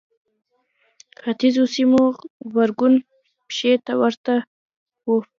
د ختیځو سیمو غبرګون پېښې ته ورته و.